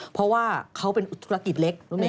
เพราะว่าเขาเป็นธุรกิจเล็กรถเมย